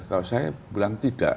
kalau saya bilang tidak